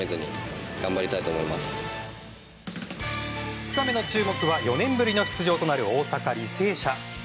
２日目の注目は４年ぶりの出場となる大阪・履正社。